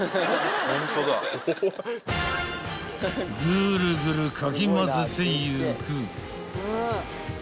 ［ぐるぐるかき混ぜていく］